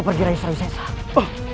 cepat bawa rayus rayus sensa pergi